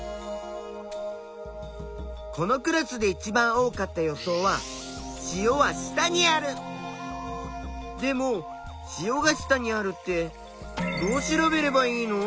このクラスでいちばん多かった予想はでも「塩が下にある」ってどう調べればいいの？